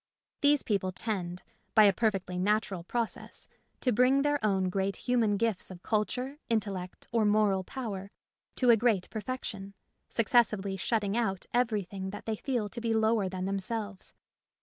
These people tend, by a perfectly natural process, to bring their own great human gifts of culture, intellect, or moral power to a great perfection, successively shutting out everything that they feel to be lower than themselves.